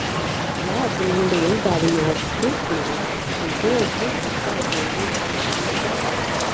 Lāci man bija uzdāvinājusi krustmāte, un to es visur staipīju līdzi.